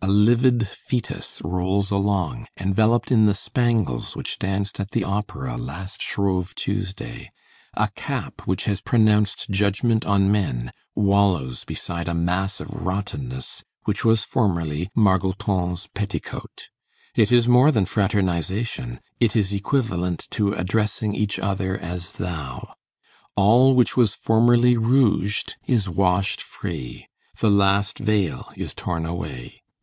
A livid fœtus rolls along, enveloped in the spangles which danced at the Opera last Shrove Tuesday, a cap which has pronounced judgment on men wallows beside a mass of rottenness which was formerly Margoton's petticoat; it is more than fraternization, it is equivalent to addressing each other as thou. All which was formerly rouged, is washed free. The last veil is torn away.